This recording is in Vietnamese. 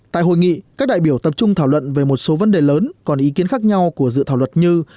tại hội nghị các đại biểu tập trung thảo luận về một số vấn đề lớn còn ý kiến khác nhau của dự thảo luật như